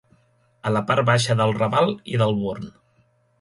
A la part baixa del Raval i del Born